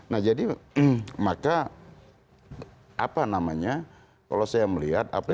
nah jadi maka apa namanya kalau saya melihat apa